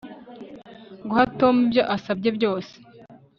Guha Tom ibyo asabye byose